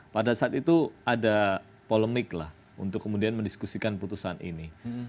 pada saat itu ada polemik lah untuk kemudian mendiskusikan putusan ini